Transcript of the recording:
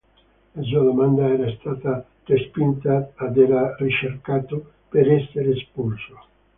La sua domanda era stata respinta ed era ricercato per essere espulso.